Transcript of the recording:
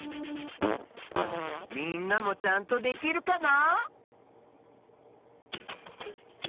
みんなもちゃんとできるかな？